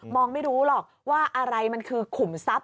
องไม่รู้หรอกว่าอะไรมันคือขุมทรัพย